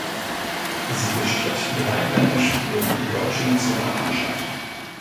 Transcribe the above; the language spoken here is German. Sie bestritt drei Länderspiele für die deutsche Nationalmannschaft.